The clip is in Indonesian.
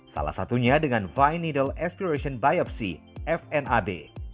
salah satunya dengan vine needle aspiration biopsy fnab